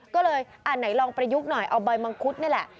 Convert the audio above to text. ก็เลยอ่ะไหนลองประยุกต์หน่อยเอาใบมังคุดนี่แหละ